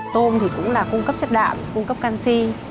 tôm thì cũng là cung cấp chất đạm cung cấp canxi